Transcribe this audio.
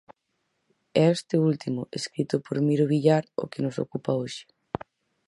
É este último, escrito por Miro Villar o que nos ocupa hoxe.